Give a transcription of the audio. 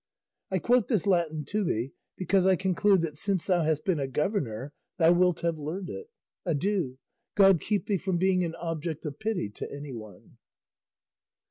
I quote this Latin to thee because I conclude that since thou hast been a governor thou wilt have learned it. Adieu; God keep thee from being an object of pity to anyone.